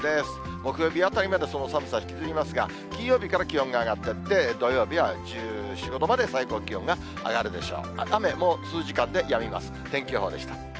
木曜日あたりまで、その寒さ引きずりますが、金曜日から気温が上がっていって、土曜日は１４、５度まで最高気温が上がるでしょう。